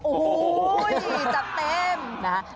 โอ้โหจัดเต็ม